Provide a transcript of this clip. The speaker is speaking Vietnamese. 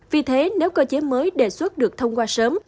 vì thế nếu cơ chế mới đề xuất được thông qua sớm